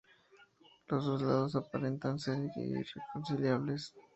Los dos lados aparentan ser irreconciliables.